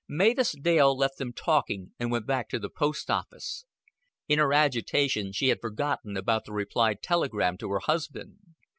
Mavis Dale left them talking and went back to the post office. In her agitation she had forgotten about the reply telegram to her husband.